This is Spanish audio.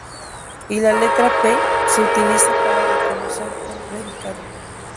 Y, la letra "P" se utiliza para reconocer un predicado.